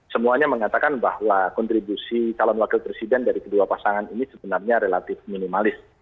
semuanya mengatakan bahwa kontribusi calon wakil presiden dari kedua pasangan ini sebenarnya relatif minimalis